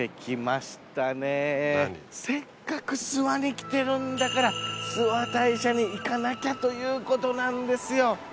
せっかく諏訪に来てるんだから諏訪大社に行かなきゃということなんですよ。